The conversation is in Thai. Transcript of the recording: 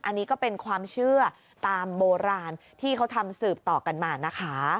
อันนี้ก็เป็นความเชื่อตามโบราณที่เขาทำสืบต่อกันมานะคะ